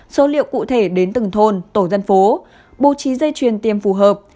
số liệu cụ thể đến từng thôn tổ dân phố bố trí dây chuyền tiêm phù hợp